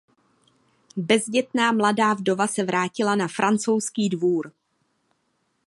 Bezdětná mladá vdova se vrátila na francouzský dvůr.